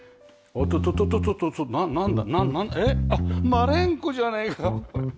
マレンコじゃないか！